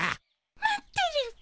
待ってるっピ？